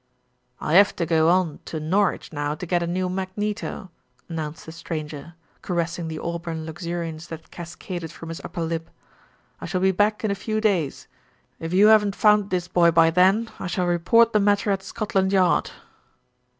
"I have to go on to Norwich now to get a new mag neto," announced the stranger, caressing the auburn luxuriance that cascaded from his upper lip. "I shall be back in a few days. If you haven't found this boy by then, I shall report the matter at Scotland Yard."